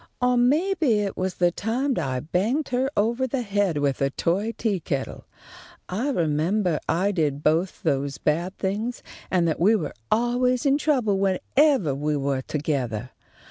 "Or maybe it was the time I banged her ovah the head with a toy teakettle. I remembah I did both those bad things, and that we were always in trouble whenevah we were togethah.